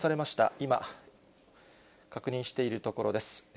今、確認しているところです。